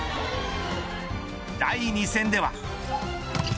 第２戦では。